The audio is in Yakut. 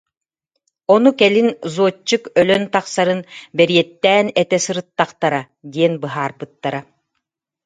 Ону кэлин «Зотчик өлөн тахсарын бэриэттээн этэ сырыттахтара» диэн быһаарбыттара